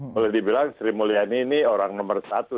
boleh dibilang sri mulyani ini orang nomor satu